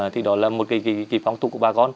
thì đó là một cái phong tục của bà con